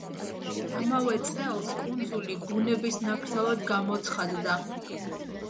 ამავე წელს კუნძული ბუნების ნაკრძალად გამოცხადდა.